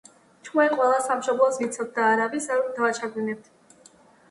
ჩვენ ყველა, სამშბლოს ვიცავთ და არავის, არ დავაჩაგვრინებთ.